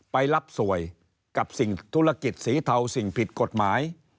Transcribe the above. ไปรับสวยกับสิ่งธุรกิจสีเทาสิ่งผิดกฎหมาย